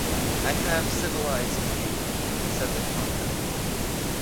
“I have civilized you,” said the Convent.